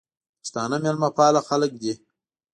پښتانه مېلمپال خلک دي.